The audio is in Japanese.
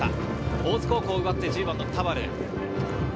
大津高校奪って、１０番の田原。